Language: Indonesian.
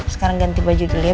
sekarang ganti baju dulu ya